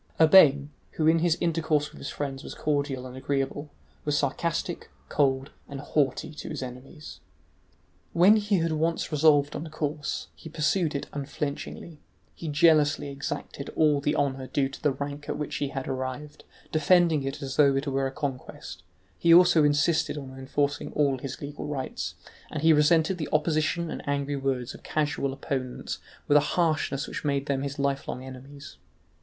Urbain, who in his intercourse with his friends was cordial and agreeable, was sarcastic, cold, and haughty to his enemies. When he had once resolved on a course, he pursued it unflinchingly; he jealously exacted all the honour due to the rank at which he had arrived, defending it as though it were a conquest; he also insisted on enforcing all his legal rights, and he resented the opposition and angry words of casual opponents with a harshness which made them his lifelong enemies.